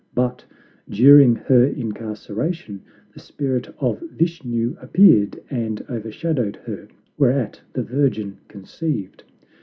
But during her incarceration the spirit of Vishnu appeared and overshadowed her, whereat the virgin conceived.